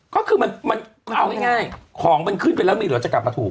ก็คือมันเอาง่ายของมันขึ้นไปแล้วมีเหรอจะกลับมาถูก